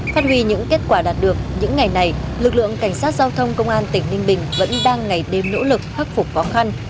phát huy những kết quả đạt được những ngày này lực lượng cảnh sát giao thông công an tỉnh ninh bình vẫn đang ngày đêm nỗ lực khắc phục khó khăn